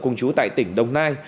cùng chú tại tỉnh đồng nai